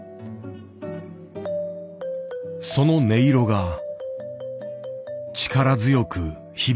その音色が力強く響き渡った。